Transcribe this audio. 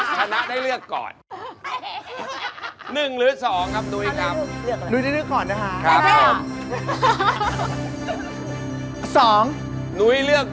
คุณตาร์คแท็ค